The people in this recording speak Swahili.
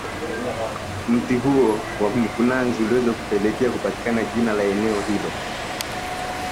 Mti huo wa mkunazi uliweza kupelekea kupatikana jina la eneo hilo